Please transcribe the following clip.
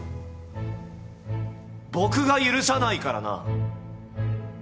僕が許さないからな。